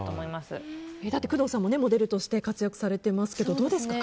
工藤さんもモデルとして活躍されてますけどどうですか？